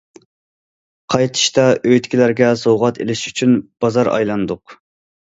قايتىشتا ئۆيدىكىلەرگە سوۋغات ئېلىش ئۈچۈن بازار ئايلاندۇق.